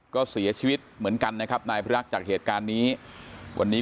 ก็เสียชีวิตเหมือนกันนะครับนายพิรักษ์จากเหตุการณ์นี้วันนี้